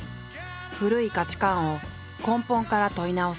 古い価値観を根本から問い直す。